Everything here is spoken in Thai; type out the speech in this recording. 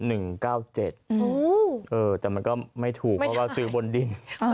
แต่มันก็ไม่ถูกเพราะว่าซื้อบนดิน